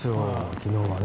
昨日はね。